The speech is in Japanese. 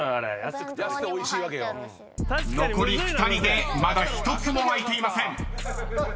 ［残り２人でまだ１つも開いていません］